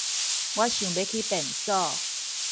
我想欲去便所